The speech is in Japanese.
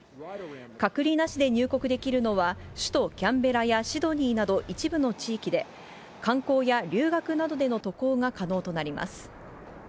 隔離なしで入国できるのは、首都キャンベラやシドニーなど一部の地域で、観光や留学などでの渡航が可能となります。